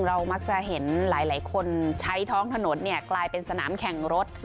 เรามักจะเห็นหลายคนใช้ท้องถนนกลายเป็นสนามแข่งรถ